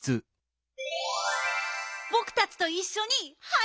ぼくたちといっしょに入ろうよ。